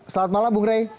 selamat malam bung rey